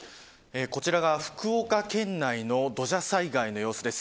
こちらが福岡県内の土砂災害の様子です。